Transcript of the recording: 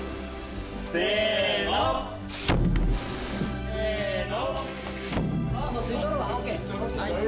せの！せの！